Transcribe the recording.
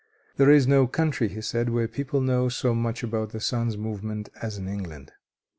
"There is no country," he said "where people know so much about the sun's movements as in England.